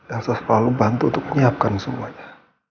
elsa selalu bantu untuk menyiapkan semuanya